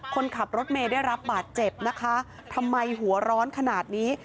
คนขับรถเมย์ได้รับบาดเจ็บนะคะทำไมหัวร้อนขนาดนี้